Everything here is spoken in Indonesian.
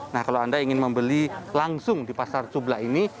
nah kalau anda ingin membeli langsung di pasar cubla ini